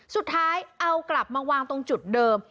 สุดท้ายเอากลับมาวางตรงจุดเดิม